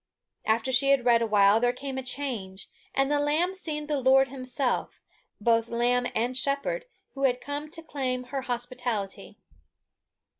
After she had read a while, there came a change, and the lamb seemed the Lord himself, both lamb and shepherd, who had come to claim her hospitality.